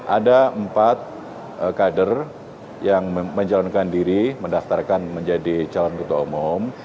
ada empat kader yang menjalankan diri mendaftarkan menjadi calon ketua umum